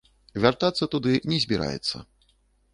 Вяртацца туды не збіраецца.